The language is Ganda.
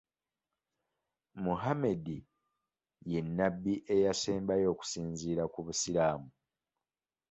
Muhammed ye nnabbi eyasembayo okusinziira ku busiraamu.